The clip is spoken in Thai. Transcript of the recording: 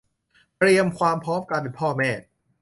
เตรียมความพร้อมการเป็นพ่อแม่